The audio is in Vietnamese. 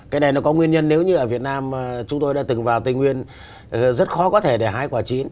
cái này nó có nguyên nhân nếu như ở việt nam chúng tôi đã từng vào tây nguyên rất khó có thể để hái quả chín